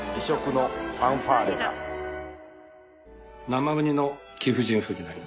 生ウニの貴婦人風になります。